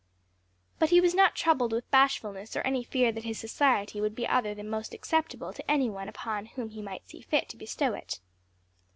But he was not troubled with bashfulness or any fear that his society would be other than most acceptable to any one upon whom he might see fit to bestow it.